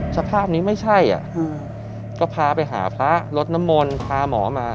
สภาพนี้ไม่ใช่ก็พาไปหาพระรถน้ำมนต์พาหมอมา